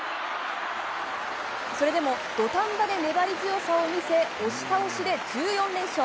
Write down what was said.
それでも土壇場で粘り強さを見せ押し倒しで１４連勝。